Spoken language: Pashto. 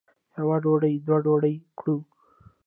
یوه ډوډۍ دوه ډوډۍ کړو.